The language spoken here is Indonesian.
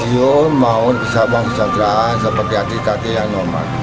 saya mau bisa membuat kesejahteraan seperti atlet tadi yang normal